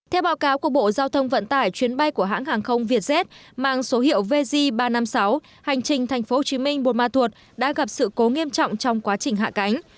theo báo cáo của bộ giao thông vận tải chuyến bay của hãng hàng không vietjet mang số hiệu vz ba trăm năm mươi sáu hành trình tp hcm buôn ma thuột đã gặp sự cố nghiêm trọng trong quá trình hạ cánh